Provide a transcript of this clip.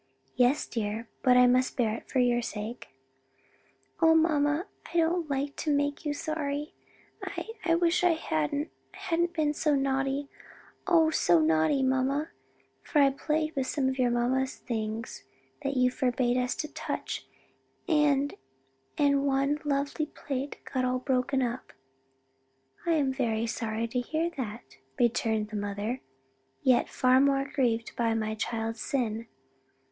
"Yes, dear, but I must bear it for your sake." "O mamma, I don't like to make you sorry I I wish I hadn't, hadn't been naughty, oh so naughty, mamma! for I played with some of your mamma's things that you forbade us to touch, and and one lovely plate got broken all up." "I am very sorry to hear that," returned the mother, "yet far more grieved by my child's sin.